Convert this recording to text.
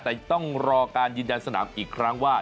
แต่ต้องรอการยืนยันสนามอีกครั้งว่า